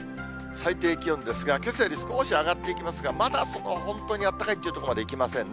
最低気温ですが、けさより少し上がっていきますが、まだその本当にあったかいというところまでいきませんね。